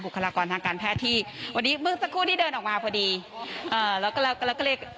คลากรทางการแพทย์ที่วันนี้เมื่อสักครู่ที่เดินออกมาพอดีเอ่อแล้วก็เราก็เรียก